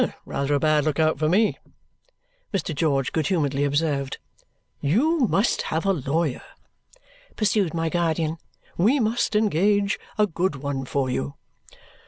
Rather a bad look out for me!" Mr. George good humouredly observed. "You must have a lawyer," pursued my guardian. "We must engage a good one for you."